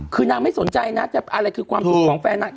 คือนางไม่สนใจนะอะไรคือความสุขของแฟนนาง